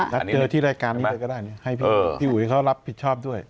นัดเจอที่รายการนี้เลยก็ได้ให้พี่อุ๋ยเขารับผิดชอบด้วย